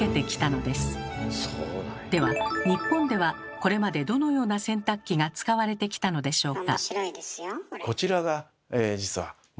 では日本ではこれまでどのような洗濯機が使われてきたのでしょうか？